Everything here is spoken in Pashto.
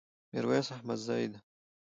ميرويس احمدزي ده